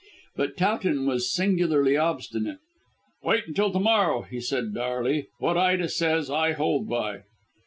But Towton was singularly obstinate. "Wait until to morrow," he said dourly. "What Ida says I hold by."